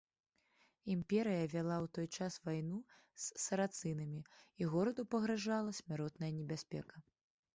Імперыя вяла ў той час вайну з сарацынамі, і гораду пагражала смяротная небяспека.